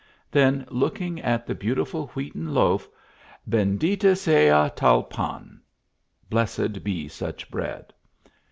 Then looking at the beautiful wheaten loaf: " Bendita sea tal pan !" (blessed be such bread